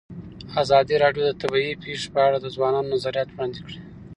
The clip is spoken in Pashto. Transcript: ازادي راډیو د طبیعي پېښې په اړه د ځوانانو نظریات وړاندې کړي.